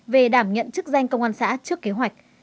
về đảm nhận chức danh công an xã trước kế hoạch